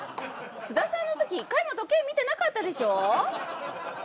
菅田さんの時１回も時計見てなかったでしょ？